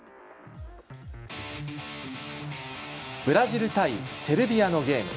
ブラジル対セルビアのゲーム。